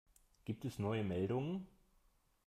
Gibt es neue Meldungen?